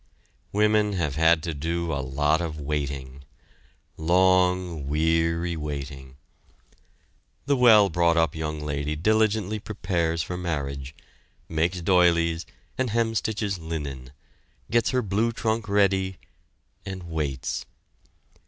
Women have had to do a lot of waiting long, weary waiting. The well brought up young lady diligently prepares for marriage; makes doilies, and hemstitches linen; gets her blue trunk ready and waits.